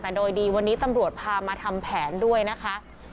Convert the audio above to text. แต่โดยดีวันนี้ตำรวจพามาทำแผนด้วยนะคะ